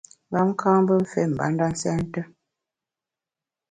Lam ka’ mbe mfé mbanda nsènte.